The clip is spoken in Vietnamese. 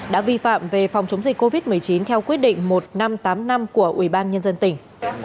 đã vi phạm về phòng chống dịch covid một mươi chín theo quyết định một nghìn năm trăm tám mươi năm của ủy ban nhân dân tỉnh